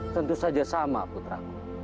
tentu saja sama putra